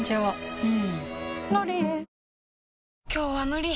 うん。